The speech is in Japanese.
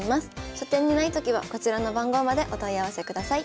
書店にないときはこちらの番号までお問い合わせください。